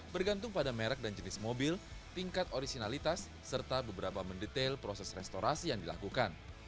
bergantung pada merek dan jenis mobil tingkat originalitas serta beberapa mendetail proses restorasi yang dilakukan